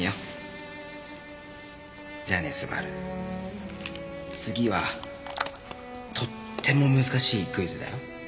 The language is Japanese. じゃあね昴次はとっても難しいクイズだよ。